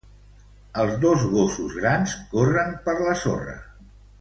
Els dos gossos grans corren per la sorra.